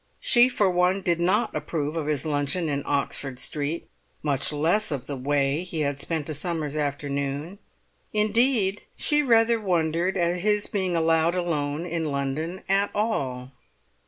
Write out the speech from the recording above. She for one did not approve of his luncheon in Oxford Street, much less of the way he had spent a summer's afternoon; indeed, she rather wondered at his being allowed alone in London at all.